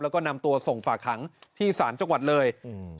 แล้วก็นำตัวส่งฝากหางที่ศาลจังหวัดเลยอืม